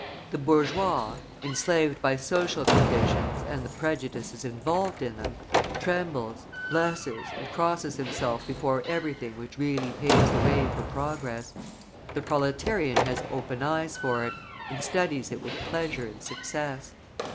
The bourgeois, enslaved by social conditions and the prejudices involved in them, trembles, blesses, and crosses himself before everything which really paves the way for progress; the proletarian has open eyes for it, and studies it with pleasure and success.